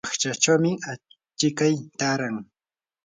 paqchachawmi achikay taaran.